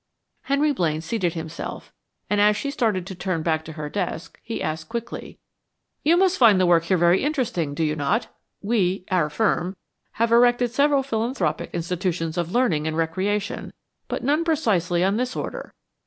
Henry Blaine seated himself, and as she started to turn back to her desk, he asked quickly: "You must find the work here very interesting, do you not? We our firm have erected several philanthropic institutions of learning and recreation, but none precisely on this order.